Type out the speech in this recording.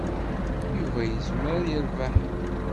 Yuba yezmer yerbeḥ.